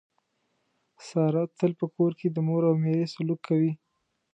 ساره تل په کور کې د مور او میرې سلوک کوي.